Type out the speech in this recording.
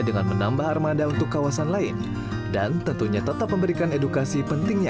dengan menambah armada untuk kawasan lain dan tentunya tetap memberikan edukasi pentingnya